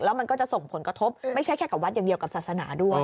มันก็จะส่งผลกระทบไม่ใช่แค่กับวัดอย่างเดียวกับศาสนาด้วย